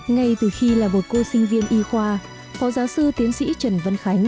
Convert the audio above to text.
ngay từ khi là một cô sinh viên y khoa phó giáo sư tiến sĩ trần vân khánh